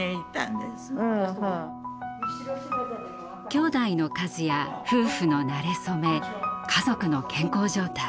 きょうだいの数や夫婦のなれ初め家族の健康状態。